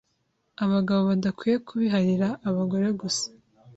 abagabo badakwiye kubiharira abagore gusa